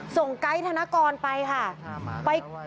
ส่งไก๊ธนกรไปค่ะ